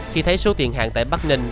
khi thấy số tiền hàng tại bắc ninh